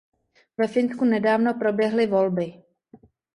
Ve Finsku nedávno proběhly volby.